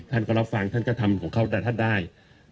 ท่านก็รับฟังท่านก็ทำของเขาแต่ท่านได้